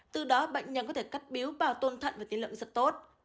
từ đó bệnh nhân có thể cắt biếu và tôn thận và tiến lượng rất tốt